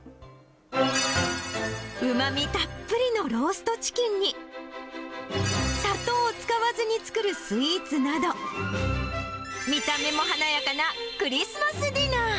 うまみたっぷりのローストチキンに、砂糖を使わずに作るスイーツなど、見た目も華やかなクリスマスディナー。